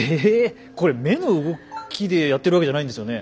これ目の動きでやってるわけじゃないんですよね？